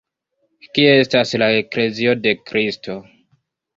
Kie estas la Eklezio de Kristo?.